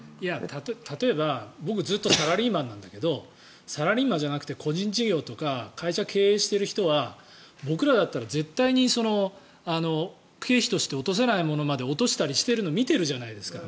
例えば僕、ずっとサラリーマンだけどサラリーマンじゃなくて個人事業とか会社を経営している人は僕らだったら絶対に経費として落とせないものまで落としているのを見ているじゃないですか。